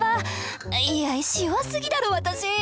いや意志弱すぎだろ私！